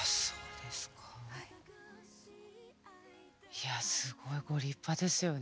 いやすごいご立派ですよね。